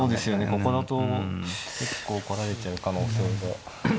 ここだと結構来られちゃう可能性が。